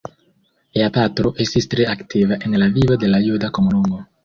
Lia patro estis tre aktiva en la vivo de la juda komunumo.